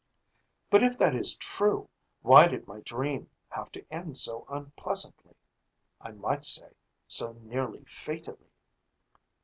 "But if that is true, why did my dream have to end so unpleasantly I might say, so nearly fatally?"